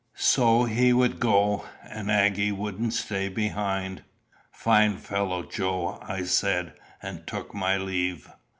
So he would go, and Aggy wouldn't stay behind." "Fine fellow, Joe!" I said, and took my leave.